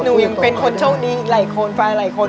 หนูยังเป็นคนโชคดีหลายคนฝ่ายหลายคน